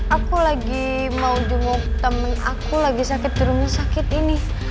aku lagi mau jemur temen aku lagi sakit di rumah sakit ini